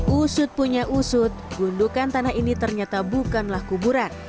usut punya usut gundukan tanah ini ternyata bukanlah kuburan